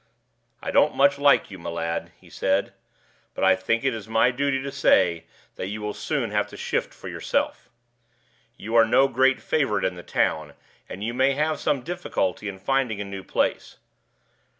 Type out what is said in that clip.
'I don't much like you, my lad,' he said; 'but I think it my duty to say that you will soon have to shift for yourself. You are no great favorite in the town, and you may have some difficulty in finding a new place.